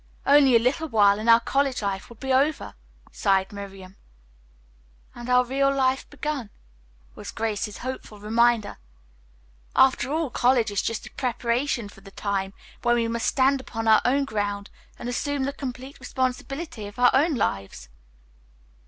"Only a little while and our college life will be over," sighed Miriam. "And our real life begun," was Grace's hopeful reminder. "After all, college is just a preparation for the time when we must stand upon our own ground and assume the complete responsibility of our own lives."